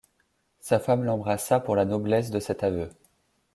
Sa femme l’embrassa pour la noblesse de cet aveu.